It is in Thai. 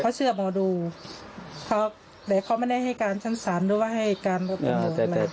เขาเชื่อหมอดูแต่เขาไม่ได้ให้การชั้นสรรหรือว่าให้การพูดนอก